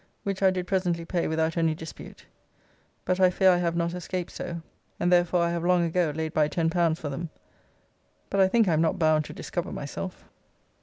which I did presently pay without any dispute, but I fear I have not escaped so, and therefore I have long ago laid by L10 for them, but I think I am not bound to discover myself.